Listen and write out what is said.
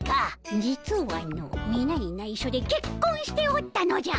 実はのみなにないしょでけっこんしておったのじゃ。